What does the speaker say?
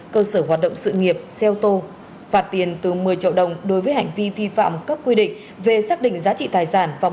không được tự điều trị tại nhà